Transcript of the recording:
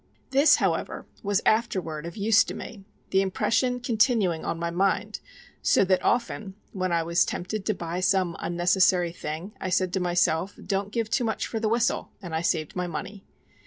This, however, was afterward of use to me, the impression continuing on my mind; so that often, when I was tempted to buy some unnecessary thing, I said to myself, Don't give too much for the whistle; and I saved my money.